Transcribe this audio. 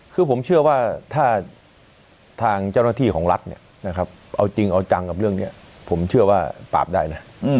คือผมเชื่อว่าถ้าทางเจ้าหน้าที่ของรัฐเนี่ยนะครับเอาจริงเอาจังกับเรื่องนี้ผมเชื่อว่าปราบได้นะ